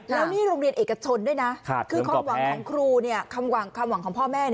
แล้วนี่โรงเรียนเอกชนด้วยนะคือความหวังของครูความหวังของพ่อแม่